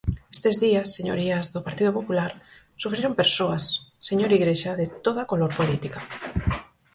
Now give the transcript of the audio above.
Estes días, señorías do Partido Popular, sufriron persoas, señor Igrexa, de toda color política.